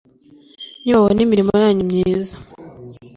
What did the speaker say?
nibabona imirimo yanyu myiza,